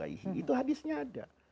itu hadisnya ada